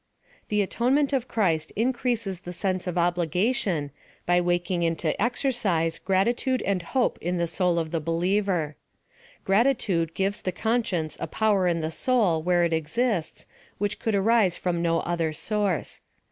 The atonement of Christ increases the sense of obligation, by waking into exercise gratitude and hope in the soul of the believer. Gratitude gives the conscience a power in the soul where it exists. 200 PHILOSOPHY OP THE which could arise from no other source.